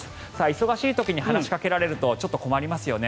忙しい時に話しかけられるとちょっと困りますよね。